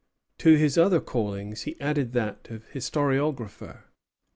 To his other callings he added that of historiographer.